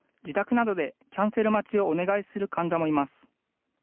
自宅などでキャンセル待ちをお願いする患者もいます。